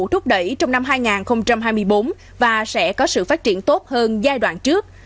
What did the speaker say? thúc đẩy trong năm hai nghìn hai mươi bốn và sẽ có sự phát triển tốt hơn giai đoạn trước